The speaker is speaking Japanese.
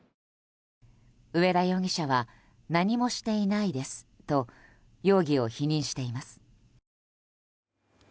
上田容疑者は何もしていないですと容疑を否認しています。